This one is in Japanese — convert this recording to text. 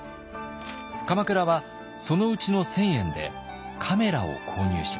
鎌倉はそのうちの１，０００円でカメラを購入します。